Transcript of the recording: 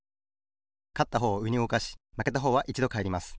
かったほうをうえにうごかしまけたほうはいちどかえります。